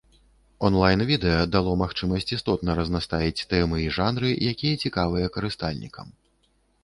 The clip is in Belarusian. Онлайн-відэа дало магчымасць істотна разнастаіць тэмы і жанры, якія цікавыя карыстальнікам.